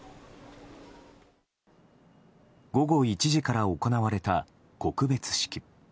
午後１時から行われた告別式。